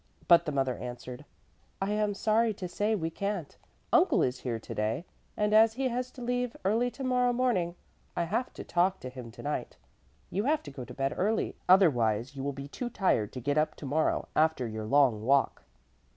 But the mother answered: "I am sorry to say we can't. Uncle is here today, and as he has to leave early tomorrow morning, I have to talk to him tonight. You have to go to bed early, otherwise you will be too tired to get up tomorrow after your long walk."